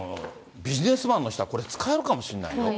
ビジネスマンの人はこれ、使えるかもしれないよ。